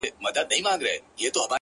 په شاهدۍ به نور هیڅکله آسمان و نه نیسم ـ